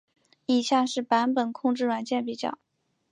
以下是版本控制软件比较。